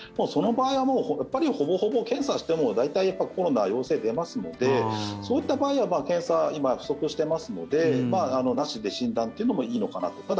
その場合は、ほぼほぼ検査しても大体コロナ陽性出ますのでそういった場合は検査、今不足してますのでなしで診断というのもいいのかなと。